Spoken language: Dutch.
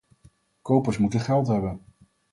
Kopers moeten geld hebben.